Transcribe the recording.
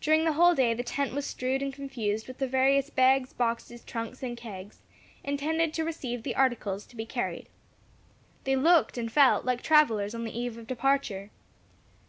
During the whole day the tent was strewed and confused with the various bags, boxes, trunks, and kegs, intended to receive the articles to be carried. They looked and felt like travellers on the eve of departure.